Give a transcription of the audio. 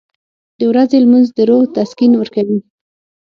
• د ورځې لمونځ د روح تسکین ورکوي.